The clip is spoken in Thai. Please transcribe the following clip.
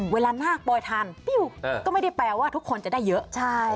เวลาน่ากบ่อยทันก็ไม่ได้แปลว่าทุกคนจะได้เยอะ